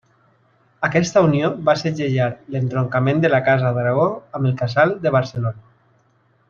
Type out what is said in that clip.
Aquesta unió va segellar l'entroncament de la casa d'Aragó amb el casal de Barcelona.